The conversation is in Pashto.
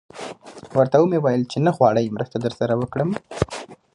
ورته ومې ویل: نه غواړئ چې مرسته در سره وکړم؟